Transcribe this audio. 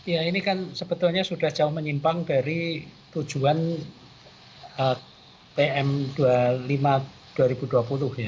ya ini kan sebetulnya sudah jauh menyimpang dari tujuan pm dua puluh lima dua ribu dua puluh ya